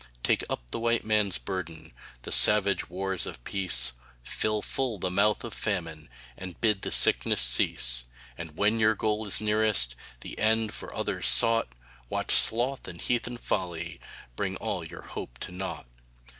Take up the White Man's burden The savage wars of peace Fill full the mouth of Famine And bid the sickness cease; And when your goal is nearest The end for others sought, Watch Sloth and heathen Folly Bring all your hope to naught.